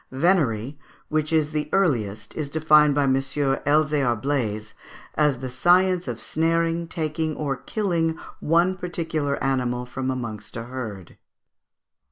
Venery, which is the earliest, is defined by M. Elzéar Blaze as "the science of snaring, taking, or killing one particular animal from amongst a herd."